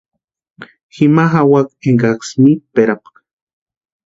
Jima jawaka énkasï mitperapka.